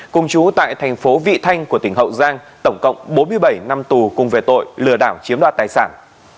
cùng chú tại thành phố vị thanh của tỉnh hậu giang tổng cộng bốn mươi bảy năm tù cùng về tội lừa đảo chiếm đoạt tài sản